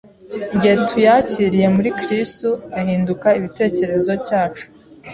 Igihe tuyakiriye muri Kristo ahinduka ibitekerezo cyacu.